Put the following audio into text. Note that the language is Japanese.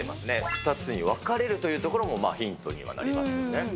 ２つに分かれるというところもヒントにはなりますよね。